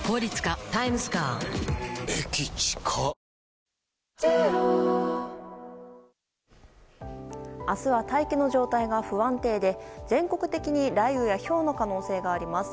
帰れば「金麦」明日は大気の状態が不安定で全国的に雷雨やひょうの可能性があります。